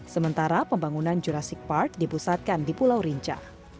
sementara pembangunan jurassic park dipusatkan di pulau rinca